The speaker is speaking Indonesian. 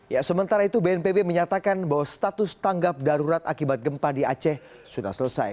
ya sementara itu bnpb menyatakan bahwa status tanggap darurat akibat gempa di aceh sudah selesai